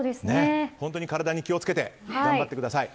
本当に体に気を付けて頑張ってください。